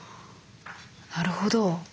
なるほど。